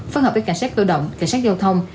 phối hợp với cảnh sát cơ động cảnh sát giao thông